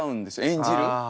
演じる。